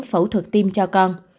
thủ thuật tim cho con